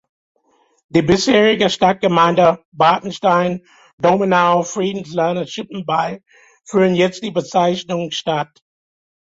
Die bisherigen Stadtgemeinden Bartenstein, Domnau, Friedland und Schippenbeil führten jetzt die Bezeichnung "Stadt".